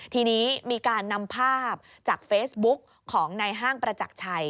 ทีนี้มีการนำภาพจากเฟซบุ๊กของในห้างประจักรชัย